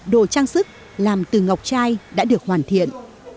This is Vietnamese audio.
đồ trang sức làm từ ngọc chai đã được hoàn thiện